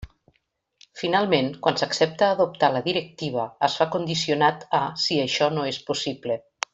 Finalment, quan s'accepta adoptar la directiva es fa condicionat a “si això no és possible”.